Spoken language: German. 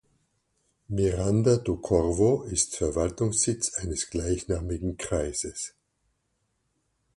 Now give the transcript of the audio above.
Miranda do Corvo ist Verwaltungssitz eines gleichnamigen Kreises.